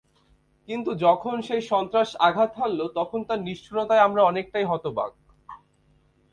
কিন্তু যখন সেই সন্ত্রাস আঘাত হানল তখন তার নিষ্ঠুরতায় আমরা অনেকটাই হতবাক।